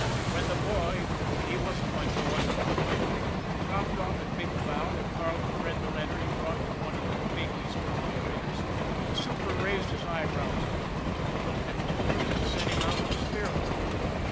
When the boy, he wasn't much more than a boy, dropped off at Big Cloud, and Carleton read the letter he brought from one of the big Eastern operators, the super raised his eyebrows a little, looked him over and sent him out to Spirlaw.